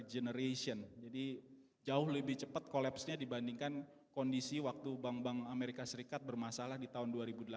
jadi jauh lebih cepat collapse nya dibandingkan kondisi waktu bank bank amerika serikat bermasalah di tahun dua ribu delapan